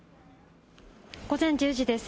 午前１０時です